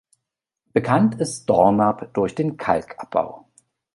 Bekannt ist Dornap durch den Kalkabbau.